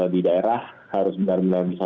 di daerah harus benar benar bisa